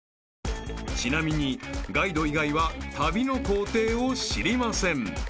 ［ちなみにガイド以外は旅の行程を知りません］